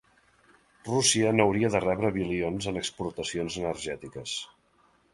Rússia no hauria de rebre bilions en exportacions energètiques.